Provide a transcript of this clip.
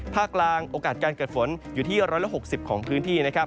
ภาคกลางโอกาสการเกิดฝนอยู่ที่๑๖๐ของพื้นที่นะครับ